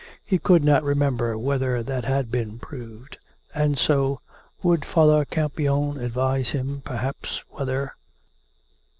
... He could not remember whether that had been proved; and so ... would Father Campion advise him perhaps whether